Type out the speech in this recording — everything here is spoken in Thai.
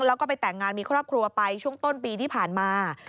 แล้วก็ไปแต่งงานมีครอบครัวไปช่วงต้นปีที่ผ่านมา